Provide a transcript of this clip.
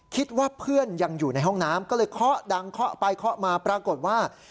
คิดว่าเพื่อนยังอยู่ในห้องน้ำก็เลยเคาะดังเคาะไปเคาะมาปรากฏว่า